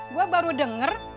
gua baru denger